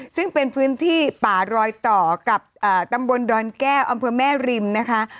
ซึ่งเป็นพื้นที่ป่ารอยต่อกับตำบลดอนแก้วอำเภอแม่ริมนะคะ